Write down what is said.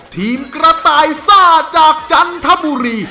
ทีมกระต่ายซ่าจากจันทบุรี